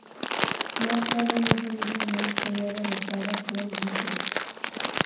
Más tarde en ese mismo mes sería derrotada por Viper.